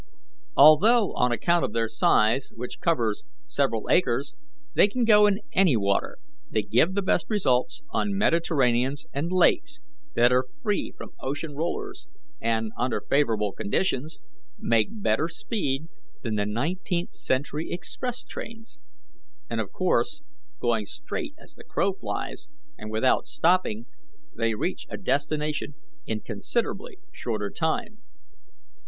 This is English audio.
Although, on account of their size, which covers several acres, they can go in any water, they give the best results on Mediterraneans and lakes that are free from ocean rollers, and, under favourable conditions, make better speed than the nineteenth century express trains, and, of course, going straight as the crow flies, and without stopping, they reach a destination in considerably shorter time.